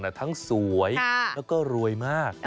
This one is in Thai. เนี่ยทั้งสวยแล้วก็รวยมากค่ะ